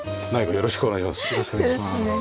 よろしくお願いします。